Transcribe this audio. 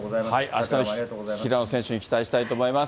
あしたの平野選手に期待したいと思います。